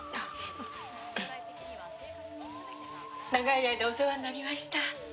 長い間お世話になりました。